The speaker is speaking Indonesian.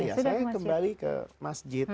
saya kembali ke masjid